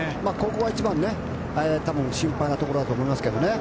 ここが一番心配なところだと思いますね。